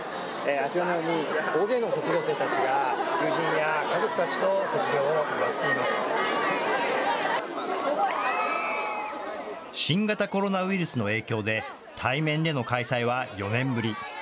あちらのように大勢の卒業生たちが友人や家族たちと卒業を祝って新型コロナウイルスの影響で、対面での開催は４年ぶり。